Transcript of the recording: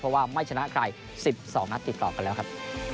เพราะว่าไม่ชนะใคร๑๒นัดติดต่อกันแล้วครับ